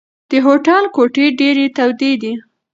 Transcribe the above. د هوټل کوټې ډېرې تودې دي.